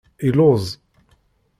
Illuẓ.